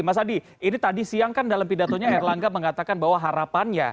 mas adi ini tadi siang kan dalam pidatonya erlangga mengatakan bahwa harapannya